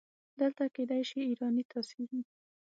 دلته کیدای شي ایرانی تاثیر وي.